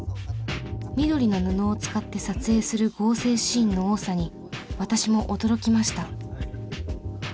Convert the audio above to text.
緑の布を使って撮影する合成シーンの多さに私も驚きました。